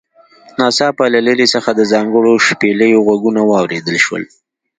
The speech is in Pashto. ناڅاپه له لرې څخه د ځانګړو شپېلیو غږونه واوریدل شول